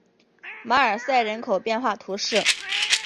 马尔赛人口变化图示